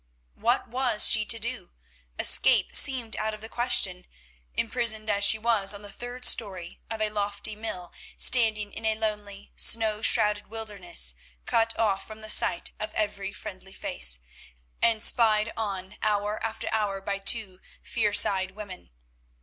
What was she to do? Escape seemed out of the question, imprisoned as she was on the third story of a lofty mill standing in a lonely, snow shrouded wilderness, cut off from the sight of every friendly face, and spied on hour after hour by two fierce eyed women.